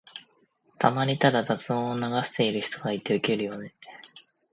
たまにただ雑音を流してる人がいてウケるよね。